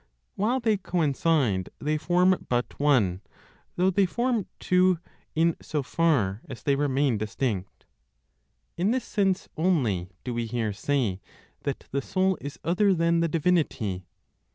While they coincide, they form but one, though they form two in so far as they remain distinct. In this sense only do we here say that the soul is other than the divinity.